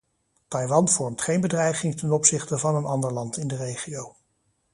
Taiwan vormt geen bedreiging ten opzichte van een ander land in de regio.